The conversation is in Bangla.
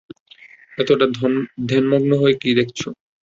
এতটা ধ্যানমগ্ন হয়ে কী দেখেছো!